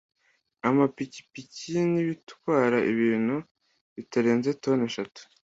amapikipiki n’ibitwara ibintu bitarenze toni eshanu